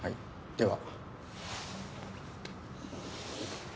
では。